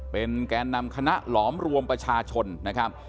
เป็นแกนนำคณะหลอมรวมประชาชนนะครับ